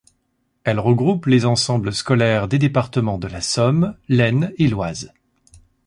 Elle regroupe les ensembles scolaires des départements de la Somme, l'Aisne et l'Oise.